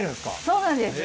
そうなんです。